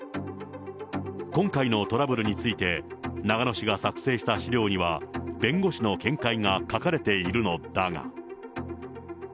今回のトラブルについて、長野市が作成した資料には弁護士の見解が書かれているのだが。